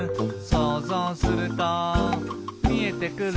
「そうぞうするとみえてくる」